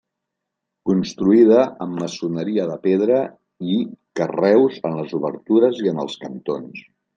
Construïda amb maçoneria de pedra i, carreus en les obertures i en els cantons.